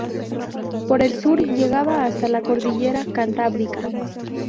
Por el sur llegaba hasta la cordillera Cantábrica.